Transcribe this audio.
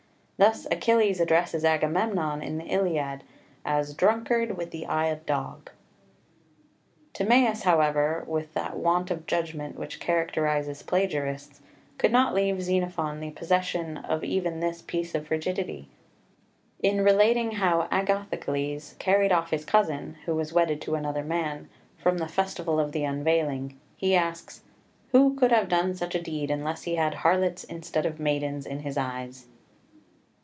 Thus Achilles addresses Agamemnon in the Iliad as "drunkard, with eye of dog." [Footnote 1: Xen. de Rep. Laced. 3, 5.] [Footnote 2: C. iii. sect. 2.] [Footnote 3: Il. i. 225.] 5 Timaeus, however, with that want of judgment which characterises plagiarists, could not leave to Xenophon the possession of even this piece of frigidity. In relating how Agathocles carried off his cousin, who was wedded to another man, from the festival of the unveiling, he asks, "Who could have done such a deed, unless he had harlots instead of maidens in his eyes?"